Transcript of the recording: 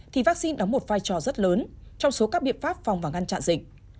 thì vaccine đóng một vai trò rất lớn trong số các biện pháp phòng và ngăn chặn dịch